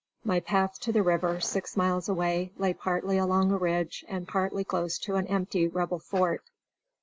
My path to the river, six miles away, lay partly along a ridge and partly close to an empty Rebel fort.